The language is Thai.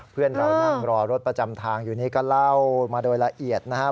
เพื่อนเรานั่งรอรถประจำทางอยู่นี่ก็เล่ามาโดยละเอียดนะครับ